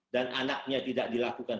dan anaknya tidak dilakukan